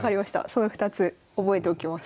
その２つ覚えておきます。